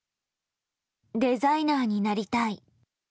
デザイナーになりたい。